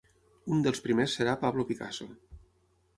Un dels primers serà Pablo Picasso.